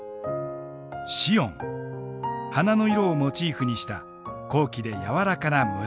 花の色をモチーフにした高貴で柔らかな紫です。